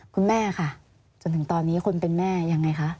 คุณแม่ค่ะจนถึงตอนนี้คนเป็นแม่ยังไงคะ